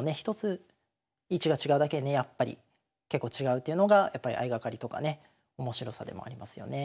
１つ位置が違うだけでね結構違うというのがやっぱり相掛かりとかね面白さでもありますよね。